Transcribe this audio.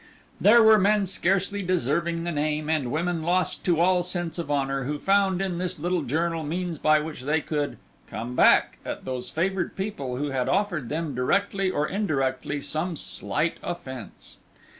There were men scarcely deserving the name, and women lost to all sense of honour, who found in this little journal means by which they could "come back" at those favoured people who had offered them directly or indirectly some slight offence.